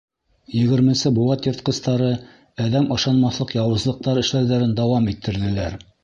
Егерменсе быуат йыртҡыстары әҙәм ышанмаҫлыҡ яуызлыҡтар эшләүҙәрен дауам иттерҙеләр.